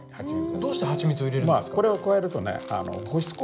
どうしてハチミツを入れるんですか？